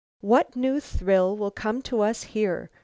"What new thrill will come to us here?"